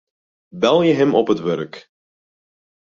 Belje him op it wurk.